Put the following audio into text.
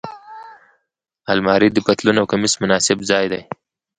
الماري د پتلون او کمیس مناسب ځای دی